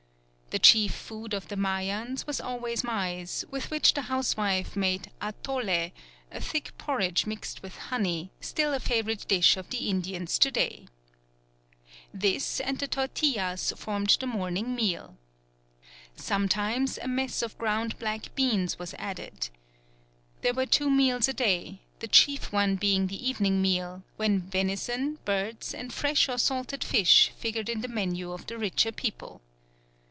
The chief food of the Mayans was always maize, with which the housewife made atole, a thick porridge mixed with honey, still a favourite dish of the Indians to day. This and the tortillas formed the morning meal. Sometimes a mess of ground black beans was added. There were two meals a day, the chief one being the evening meal, when venison, birds, and fresh or salted fish figured in the menu of the richer people.